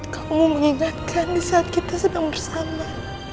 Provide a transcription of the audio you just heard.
kamu mengingatkan di saat kita sedang bersama